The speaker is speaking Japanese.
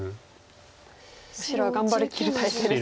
白は頑張りきる態勢ですね。